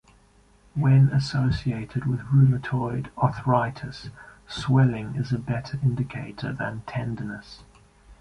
When associated with rheumatoid arthritis, swelling is a better indicator than tenderness.